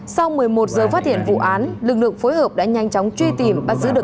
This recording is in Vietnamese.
sau một mươi một giờ phát hiện vụ án lực lượng phối hợp đã nhanh chóng truy tìm